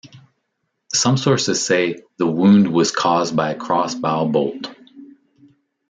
Some sources say the wound was caused by a crossbow bolt.